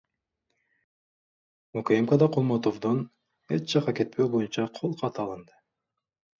УКМКда Кулматовдон эч жакка кетпөө боюнча кол каты алынды.